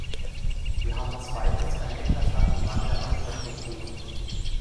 Wir haben zweitens einen eklatanten Mangel an Infrastrukturen.